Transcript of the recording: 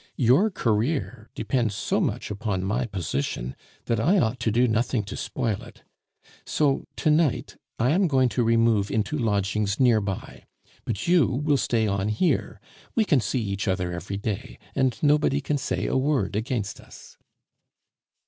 Your career depends so much upon my position that I ought to do nothing to spoil it. So, to night, I am going to remove into lodgings near by. But you will stay on here, we can see each other every day, and nobody can say a word against us."